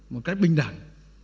một cách bình đẳng